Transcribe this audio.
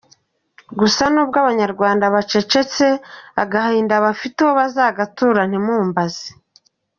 Gusa n’ubwo abanyarwanda bacecetse, agahinda bafite uwo bazagatura ntimumbaze.